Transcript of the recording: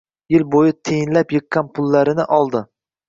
Yil boʻyi tiyinlab yiqqan pullarini oldi.